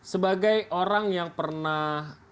sebagai orang yang pernah